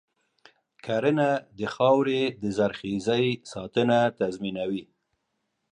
کرنه د خاورې د زرخیزۍ ساتنه تضمینوي.